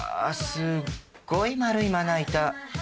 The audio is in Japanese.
すっごい丸いまな板